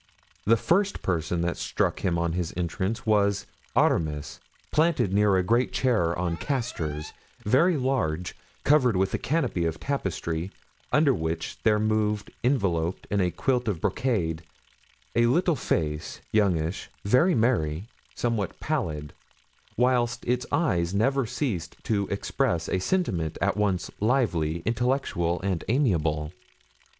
The first person that struck him on his entrance was Aramis, planted near a great chair on castors, very large, covered with a canopy of tapestry, under which there moved, enveloped in a quilt of brocade, a little face, youngish, very merry, somewhat pallid, whilst its eyes never ceased to express a sentiment at once lively, intellectual, and amiable.